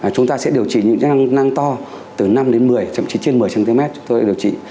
chúng ta sẽ điều trị những nang to từ năm cm đến một mươi cm chậm chí trên một mươi cm chúng ta sẽ điều trị